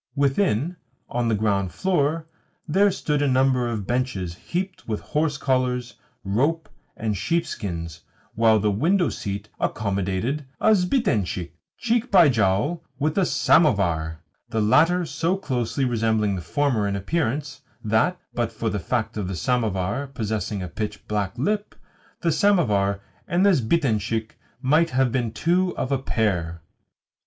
Within, on the ground floor, there stood a number of benches heaped with horse collars, rope, and sheepskins; while the window seat accommodated a sbitentshik , cheek by jowl with a samovar the latter so closely resembling the former in appearance that, but for the fact of the samovar possessing a pitch black lip, the samovar and the sbitentshik might have been two of a pair.